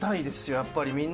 やっぱりみんなに。